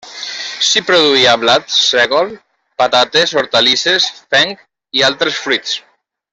S'hi produïa blat, sègol, patates, hortalisses, fenc i altres fruits.